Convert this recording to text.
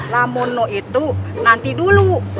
namun itu nanti dulu